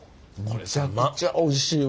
めちゃくちゃおいしいわ。